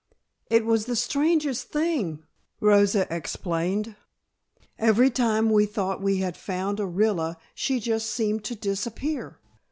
"It was the strangest thing," Rosa explained, "every time we thought we had found Orilla she just seemed to disappear.